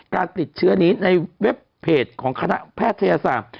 การติดเชื้อนี้ในเว็บเพจของคณะแพทยศาสตร์